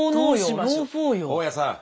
大家さん。